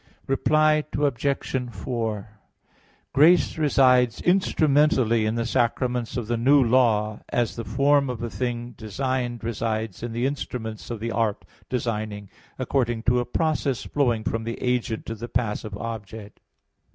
Reply Obj. 4: Grace resides instrumentally in the sacraments of the New Law, as the form of a thing designed resides in the instruments of the art designing, according to a process flowing from the agent to the passive object.